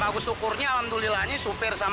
dan begitu suara meleduk ya ini penasaran